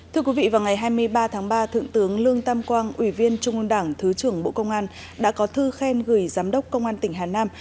thưa quý vị vào ngày hai mươi ba tháng ba thượng tướng lương tam quang ủy viên trung ương đảng thứ trưởng bộ công an đã có thư khen gửi giám đốc công an tỉnh hà nam